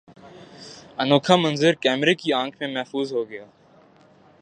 انوکھا منظر کیمرے کی آنکھ میں محفوظ ہوگیا